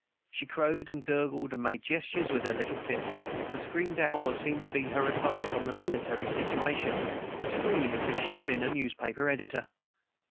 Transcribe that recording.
She crowed and gurgled and made gestures with her little fists, and screamed out what seemed to be her advice on the military situation, as freely as if she had been a newspaper editor.